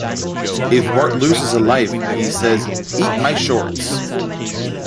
If Bart loses a life he says Eat my shorts!